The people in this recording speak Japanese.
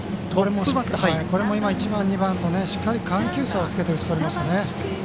今、１番、２番としっかり緩急差をつけて打ち取りましたね。